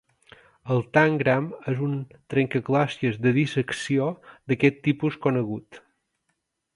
El tangram és un trencaclosques de dissecció d'aquest tipus conegut.